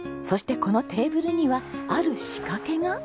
そしてこのテーブルにはある仕掛けが。